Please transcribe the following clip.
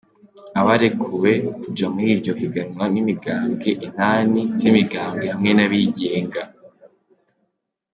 Abarekuriwe kuja muri iryo higanwa n'imigambwe, inani z'imigambwe hamwe n'abigenga.